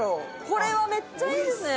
これはめっちゃいいですね！